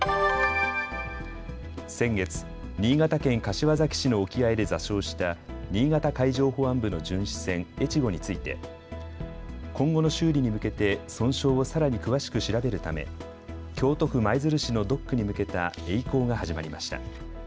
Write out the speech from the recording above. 先月、新潟県柏崎市の沖合で座礁した新潟海上保安部の巡視船えちごについて今後の修理に向けて損傷をさらに詳しく調べるため京都府舞鶴市のドックに向けたえい航が始まりました。